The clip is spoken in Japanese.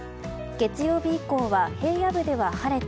月曜日以降は平野部では晴れて